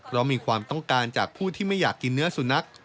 เพราะมีความต้องการจากผู้ที่ไม่อยากกินเนื้อสุนัข